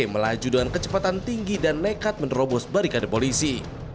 melaju dengan kecepatan tinggi dan nekat menerobos barikade polisi